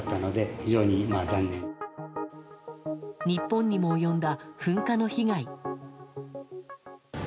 日本にも及んだ噴火の被害。